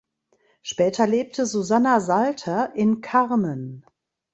Später lebte Susanna Salter in Carmen.